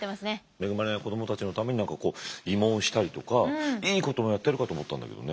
恵まれない子どもたちのために慰問したりとかいいこともやってるかと思ったんだけどね。